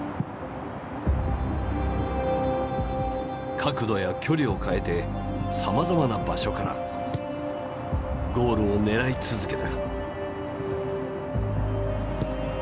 角度や距離を変えてさまざまな場所からゴールを狙い続けた。